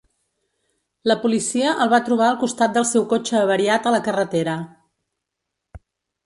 La policia el va trobar al costat del seu cotxe avariat a la carretera.